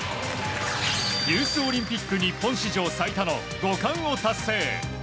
ユースオリンピック日本史上最多の５冠を達成。